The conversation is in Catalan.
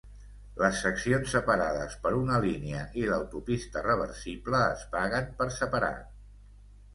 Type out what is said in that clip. Les seccions separades per una línia i l'autopista reversible es paguen per separat.